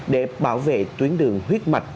để bảo vệ tuyến đường huyết mạch